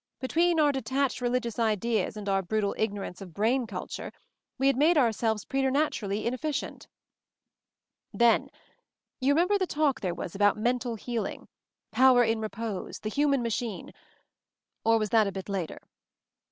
Between our detached religious ideas and our brutal ig norance of brain culture, we had made our selves preternaturally inefficient. 168 MOVING THE MOUNTAIN "Then — you remember the talk there was about Mental Healing — 'Power in Repose' — 'The Human Machine' — or was that a bit later?